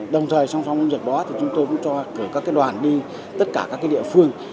đồng thời song song dược bó thì chúng tôi cũng cho các cái đoàn đi tất cả các cái địa phương